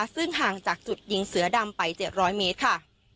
ซึ่งห่างจากจุดยิงเสือดำไป๗๐๐เมตรค่ะ